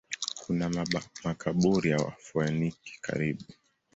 Kuna makaburi ya Wafoeniki karibu.